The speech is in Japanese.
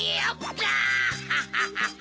ガハハハハ！